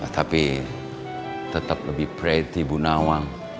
tapi tetap lebih preti bu nawang